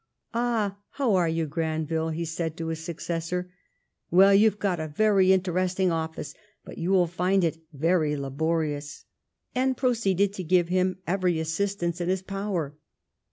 " Ah, how are you, Granville ?'' he said to his successor ;" Well, you have got a very in teresting office, but you will find it very laborious," and proceeded to give him every assistance in his power.